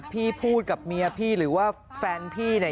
พี่พูดกับเมียพี่หรือว่าแฟนพี่เนี่ย